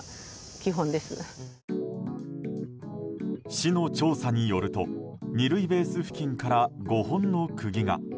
市の調査によると２塁ベース付近から５本の釘が。